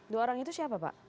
dua orang itu siapa pak